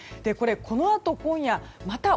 このあと今夜また